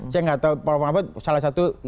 saya nggak tahu pak mahfud salah satu